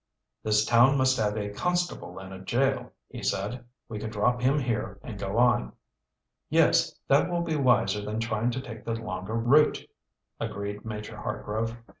"This town must have a constable and a jail," he said. "We could drop him here and go on." "Yes, that will be wiser than trying to take the longer route," agreed Major Hartgrove.